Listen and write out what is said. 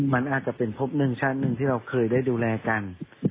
มันอาจจะเป็นพบหนึ่งชาติหนึ่งที่เราเคยได้ดูแลกัน